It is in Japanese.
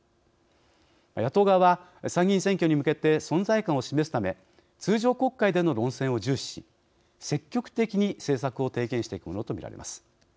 野党側は、参議院選挙に向けて存在感を示すため通常国会での論戦を重視し積極的に政策を提言していくものとみられます。